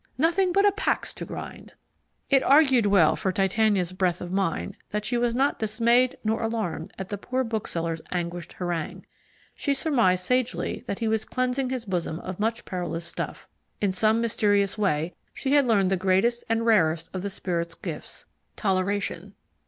Nothing but a pax to grind!" It argued well for Titania's breadth of mind that she was not dismayed nor alarmed at the poor bookseller's anguished harangue. She surmised sagely that he was cleansing his bosom of much perilous stuff. In some mysterious way she had learned the greatest and rarest of the spirit's gifts toleration.